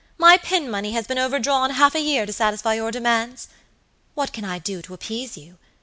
my pin money has been overdrawn half a year to satisfy your demands? What can I do to appease you?